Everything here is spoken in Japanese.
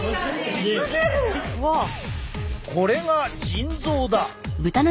これが腎臓だ。